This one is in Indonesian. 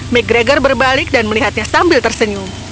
mcgregor berbalik dan melihatnya sambil tersenyum